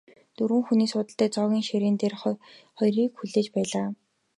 Дөрвөн хүний суудалтай зоогийн ширээ тэр хоёрыг хүлээж байлаа.